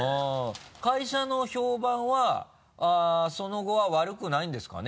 会社の評判はその後は悪くないんですかね？